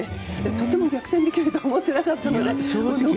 とても逆転できるとは思っていなかったので。